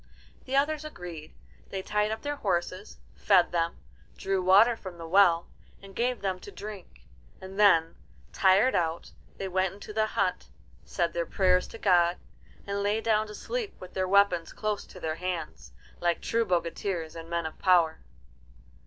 The others agreed. They tied up their horses, fed them, drew water from the well, and gave them to drink; and then, tired out, they went into the hut, said their prayers to God, and lay down to sleep with their weapons close to their hands, like true bogatirs and men of power.